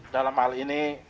dalam hal ini